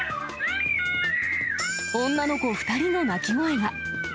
女の子２人の泣き声が。